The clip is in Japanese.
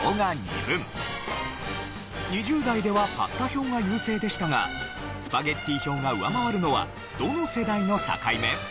２０代ではパスタ票が優勢でしたがスパゲッティ票が上回るのはどの世代の境目？